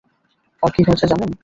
কাল কি হয়েছে জানেন?